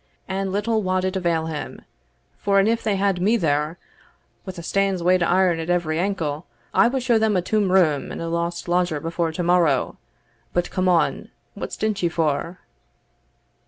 And little wad it avail them; for an if they had me there wi' a stane's weight o' iron at every ankle, I would show them a toom room and a lost lodger before to morrow But come on, what stint ye for?"